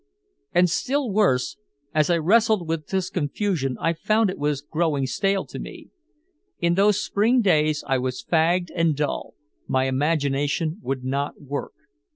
And still worse, as I wrestled with this confusion I found it was growing stale to me. In those Spring days I was fagged and dull, my imagination would not work.